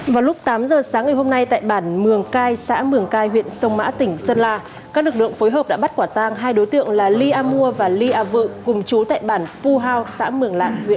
vào lúc tám giờ sáng ngày hôm nay tại bản mường cai xã mường cai huyện sông mã tỉnh sơn la các lực lượng phối hợp đã bắt quả tang hai đối tượng là ly a mua và ly a vự cùng chú tại bản phu hao xã mường lạng